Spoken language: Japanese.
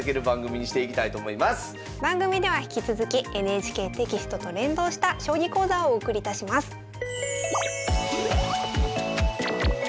番組では引き続きＮＨＫテキストと連動した将棋講座をお送りいたします。